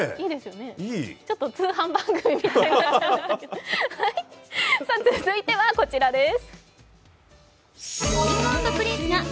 ちょっと通販番組みたいになっちゃいましたが続いてはこちらです。